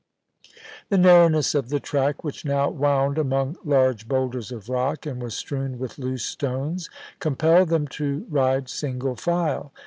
The narrowness of the track, which now wound among large boulders of rock, and was strewn with loose stones, compelled them ro ride single file.